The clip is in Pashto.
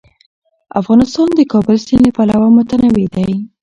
افغانستان د د کابل سیند له پلوه متنوع دی.